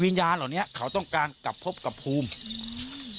เหล่านี้เขาต้องการกลับพบกับภูมิอืม